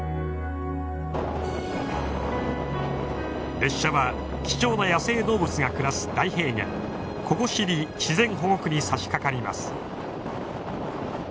列車は貴重な野生動物が暮らす大平原ココシリ自然保護区にさしかかります。